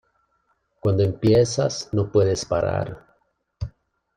Cuando empiezas, no puedes parar.